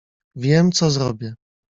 Wiem, co zrobię!